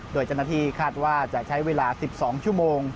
โดยเจ้าหน้าที่คาดว่าจะใช้เวลา๑๒ชั่วโมง